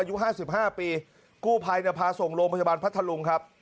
อายุ๕๕ปีกู้ภัยเนี่ยพาส่งโรงพยาบาลพัทธลุงครับ